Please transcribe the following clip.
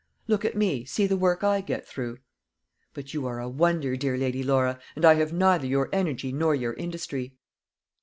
Look at me; see the work I get through." "But you are a wonder, dear Lady Laura, and I have neither your energy nor your industry."